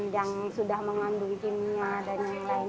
yang sudah mengandung kimia dan lain lain